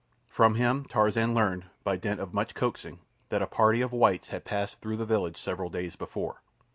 From him Tarzan learned, by dint of much coaxing, that a party of whites had passed through the village several days before.